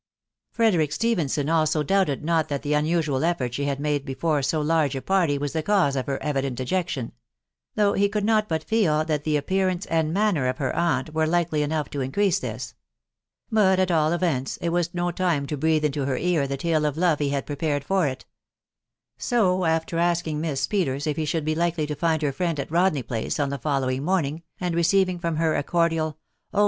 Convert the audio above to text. Frederick Stephenson also doubted hot that the antral effort she had made before so large a party was ofte cause' el her evident dejection, though ho could not but reel that the1 appearance and manner of her aunt were likely enough ft increase this ; but, at all events, it was no time to breathe into1 her ear the tale of love he had prepared* for it ^ ao, after asking Miss Peters if he should be likely to find her friend al Rodney Place on the following morning, and receiving front her a cordial ...•' Oh